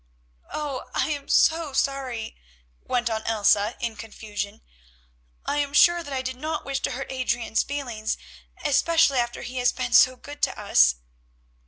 "Oh! I am so sorry," went on Elsa in confusion; "I am sure that I did not wish to hurt Adrian's feelings, especially after he has been so good to us."